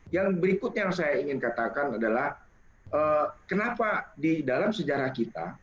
yang berikut yang saya ingin katakan adalah kenapa di dalam sejarah kita